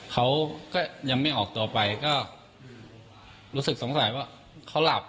เขาก็ยังไม่ออกตัวไปก็รู้สึกสงสัยว่าเขาหลับ